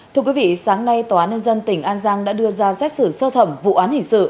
thưa quý vị sáng nay tòa án nhân dân tỉnh an giang đã đưa ra xét xử sơ thẩm vụ án hình sự